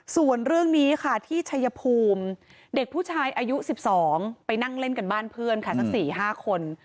ส่วนเรื่องนี้ค่ะที่ชัยภูมิเด็กผู้ชายอายุ๑๒ไปนั่งเล่นกันบ้านเพื่อนค่ะสัก๔๕คน